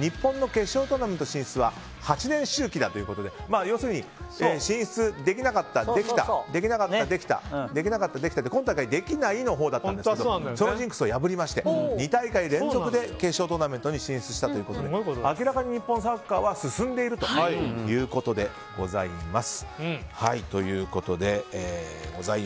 日本の決勝トーナメント進出は８年周期ということで要するに進出できなかった、できたできなかった、できた今大会はできないのほうだったんですがそのジンクスを破りまして２大会連続で決勝トーナメントに進出したということで明らかに日本サッカーは進んでいるということでございます。